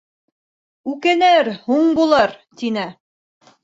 Үкенер, һуң булыр, — тине.